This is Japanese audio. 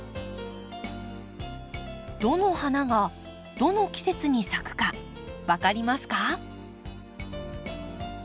どの花がどの季節に咲くか分かりますか？